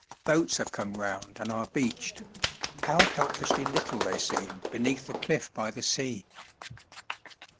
Boats have come round, and are beached; how helplessly little they seem beneath the cliff by the sea!